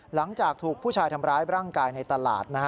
หลังจากถูกผู้ชายทำร้ายร่างกายในตลาด